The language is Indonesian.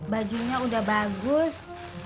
baginya udah bagus